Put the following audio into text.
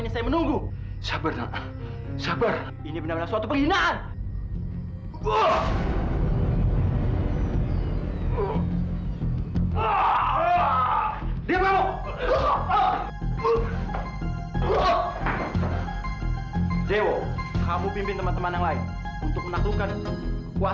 sampai jumpa di video selanjutnya